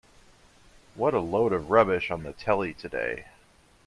What a load of rubbish on the telly today.